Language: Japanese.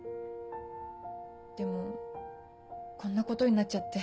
でもこんなことになっちゃって。